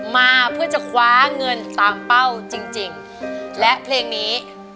มาเพื่อจะคว้าเงินตามเป้าจริงจริงและเพลงนี้